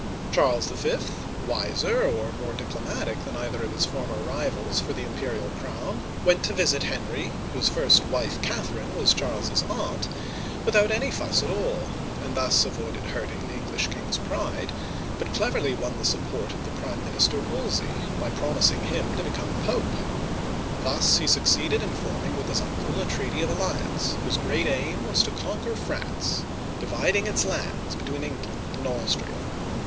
Charles V., wiser or more diplomatic than either of his former rivals for the imperial crown, went to visit Henry o. F.— 15 Digitized by VjOOQIC 232 OLD FRANCE — whose first wife, Catherine, was Charles's aunt — without any fuss at all, and not only avoided hurting the English king's pride, but cleverly won the support of the prime minister Wolsey by promising to help him to become Pope. Thus he succeeded in forming with his uncle a treaty of alliance, whose great aim was to conquer France, dividing its lands between England and Austria.